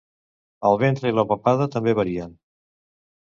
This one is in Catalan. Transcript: El ventre i la papada també varien.